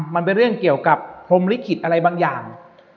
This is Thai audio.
มันเป็นเรื่องเกี่ยวกับพรมลิขิตอะไรบางอย่าง